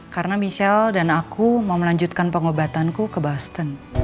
karena michelle dan aku mau melanjutkan pengobatanku ke boston